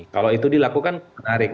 kalau itu dilakukan menarik